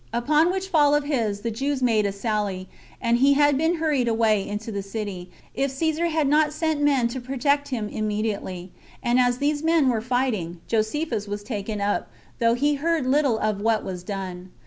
Upon which fall of his the Jews made a sally, and he had been hurried away into the city, if Caesar had not sent men to protect him immediately; and as these men were fighting, Josephus was taken up, though he heard little of what was done.